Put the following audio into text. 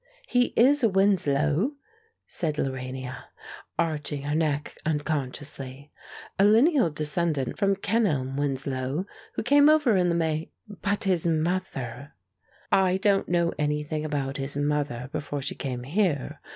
"He is a Winslow," said Lorania, archin her neck unconsciously "a lineal descendant from Kenelm Winslow, who came over in the May " "But his mother " "I don't know anything about his mother before she came here.